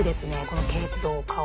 この系統顔。